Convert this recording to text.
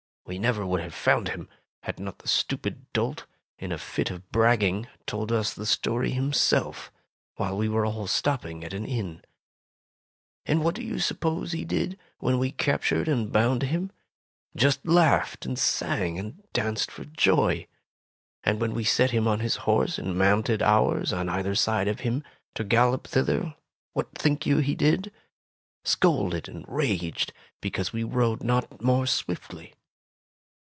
We never would have found him, had not the stupid dolt, in a fit of bragging, told us the story himself, while we were all stopping at an inn. "And what do you suppose he did, when we captured and bound him ^ Just laughed and sang and danced for joy! And when we set him on his horse and mounted ours on either side of him, to gallop thither, what think you he did ? Scolded and raged because we rode not more swiftly.